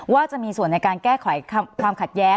ว่าจะมีส่วนในการแก้ไขความขัดแย้ง